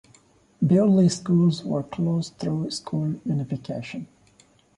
Beverly schools were closed through school unification.